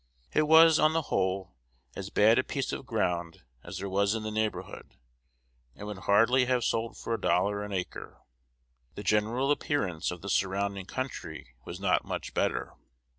It was, on the whole, as bad a piece of ground as there was in the neighborhood, and would hardly have sold for a dollar an acre. The general appearance of the surrounding country was not much better.